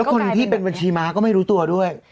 คนที่เป็นบัญชีม้าก็ไม่รู้ตัวด้วย